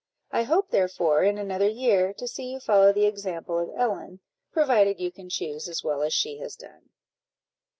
I hope, therefore, in another year, to see you follow the example of Ellen, provided you can choose as well as she has done."